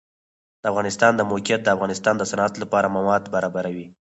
د افغانستان د موقعیت د افغانستان د صنعت لپاره مواد برابروي.